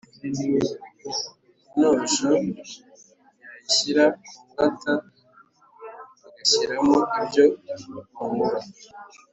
Intosho bayishyira ku ngata bagashyiramo ibyo bahura.